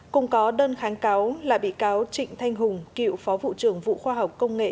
cùng có đơn kháng cáo là bị cáo trịnh thanh hùng cựu phó vụ trưởng vụ khoa học công nghệ